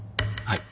はい。